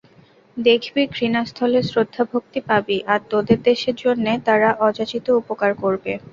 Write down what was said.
দেখবি, ঘৃণাস্থলে শ্রদ্ধাভক্তি পাবি, আর তোদের দেশের জন্যে তারা অযাচিত উপকার করবে।